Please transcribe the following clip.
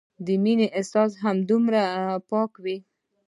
د مينې احساس هم دومره پاک وو